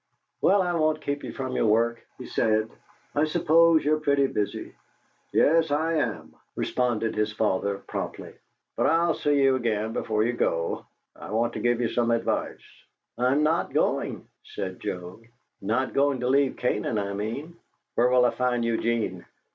"Well, I won't keep you from your work," he said. "I suppose you're pretty busy " "Yes, I am," responded his father, promptly. "But I'll see you again before you go. I want to give you some advice." "I'm not going," said Joe. "Not going to leave Canaan, I mean. Where will I find Eugene?"